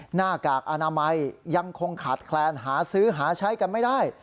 หน้ากากอนามัยยังคงขาดแคลนหาซื้อหาใช้กันไม่ได้